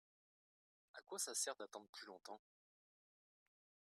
A quoi ça sert d'attendre plus longtemps ?